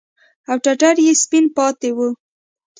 او ټټر يې سپين پاته وي.